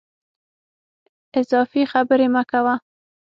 اضافي خبري مه کوه !